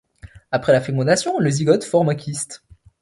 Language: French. Après la fécondation, le zygote forme un kyste.